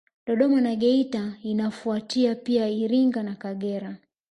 Dodoma na Geita inafuatia pia Iringa na Kagera